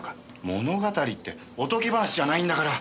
物語っておとぎ話じゃないんだから。